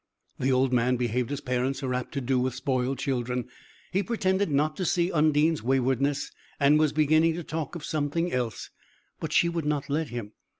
The old man behaved as parents are apt to do with spoiled children. He pretended not to see Undine's waywardness, and was beginning to talk of something else; but she would not let him.